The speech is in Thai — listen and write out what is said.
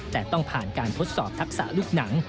แต่ต้องผ่านการทดสอบทักษะลูกหนัง